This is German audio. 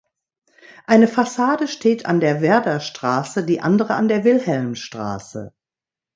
Eine Fassade steht an der Werderstraße, die andere an der Wilhelmstraße.